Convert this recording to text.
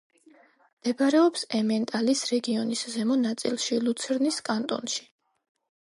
მდებარეობს ემენტალის რეგიონის ზემო ნაწილში, ლუცერნის კანტონში.